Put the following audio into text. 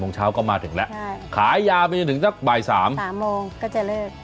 โมงเช้าก็มาถึงแล้วขายยาวไปจนถึงสักบ่าย๓๓โมงก็จะเลิก